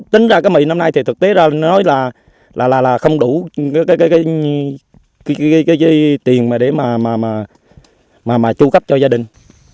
tính ra cái mì năm nay thì thực tế ra là không đủ cái tiền mà chu cấp cho gia đình